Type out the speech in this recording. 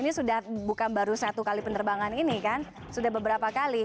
ini sudah bukan baru satu kali penerbangan ini kan sudah beberapa kali